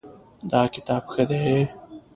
دا کتاب ښه دی